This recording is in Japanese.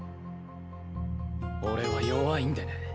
俺は弱いんでね